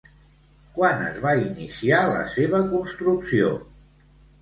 Quan es va iniciar la seva construcció?